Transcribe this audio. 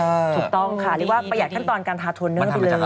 ถูกต้องค่ะเรียกว่าประหยัดขั้นตอนการทาโทเนอร์ไปเลย